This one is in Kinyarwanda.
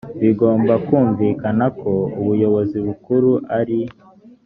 bigomba kumvikana ko ubuyobozi bukuru ari